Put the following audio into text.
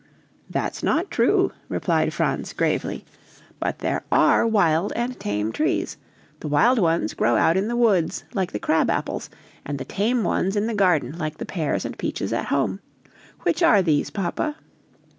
"That's not true," replied Franz gravely, "but there are wild and tame trees, the wild ones grow out in the woods like the crab apples, and the tame ones in the garden like the pears and peaches at home. Which are these, papa?"